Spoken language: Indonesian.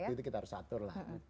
kalau waktu itu kita harus atur lah